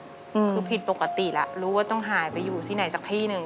คือผิดปกติแล้วรู้ว่าต้องหายไปอยู่ที่ไหนสักที่หนึ่ง